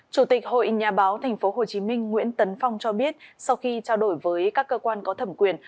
chủ tịch hội nhà báo tp hcm nguyễn tấn phong cho biết sau khi trao đổi với các cơ quan có thẩm quyền